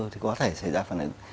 thì có thể xảy ra phản ứng